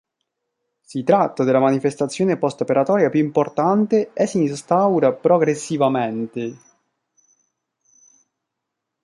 Si tratta della manifestazione post-operatoria più importante e si instaura progressivamente.